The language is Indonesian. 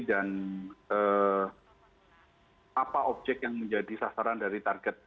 dan apa objek yang menjadi sasaran dari target